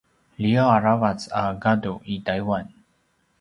liyaw a ravac a gadu i taiwan